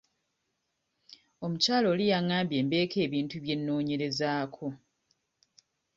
Omukyala oli yangambye mbeeko ebintu bye nnoonyerezaako.